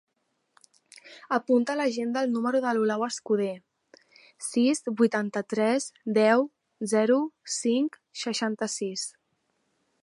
Apunta a l'agenda el número de l'Olau Escuder: sis, vuitanta-tres, deu, zero, cinc, seixanta-sis.